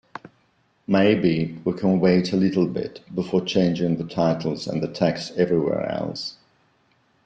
Maybe we can wait a little bit before changing the titles and the text everywhere else?